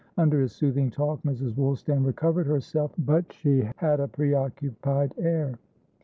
Under his soothing talk, Mrs. Woolstan recovered herself; but she had a preoccupied air.